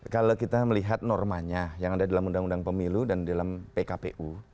kalau kita melihat normanya yang ada dalam undang undang pemilu dan dalam pkpu